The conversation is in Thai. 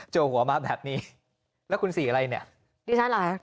เจาหัวมาแบบนี้แล้วคุณสีอะไรเนี่ย